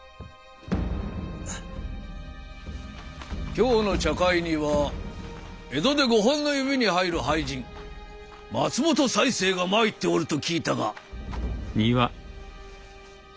今日の茶会には江戸で５本の指に入る俳人松本犀星が参っておると聞いたが。